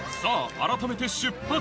改めて出発